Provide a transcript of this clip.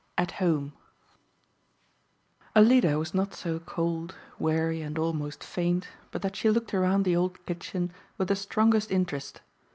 At Home Alida was not so cold, weary, and almost faint but that she looked around the old kitchen with the strongest interest.